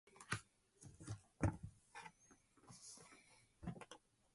The dorsum is brown with dark spots.